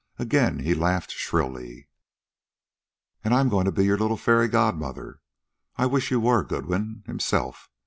Again he laughed shrilly. "And I am going to be your little fairy godmother. I wish you were Goodwin himself!